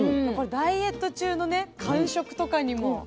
これダイエット中のね間食とかにも。